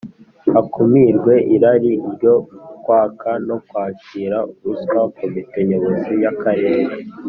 hakumirwe irari ryo kwaka no kwakira ruswa Komite Nyobozi y Akarere